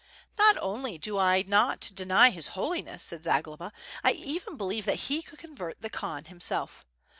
"Not only do I not deny his holiness," said Zagloba, "I even believe that he could convert the Khan himself.